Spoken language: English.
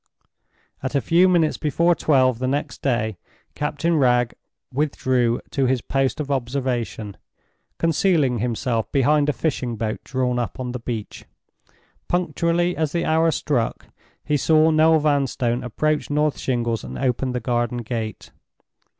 At a few minutes before twelve the next day Captain Wragge withdrew to his post of observation, concealing himself behind a fishing boat drawn up on the beach. Punctually as the hour struck, he saw Noel Vanstone approach North Shingles and open the garden gate.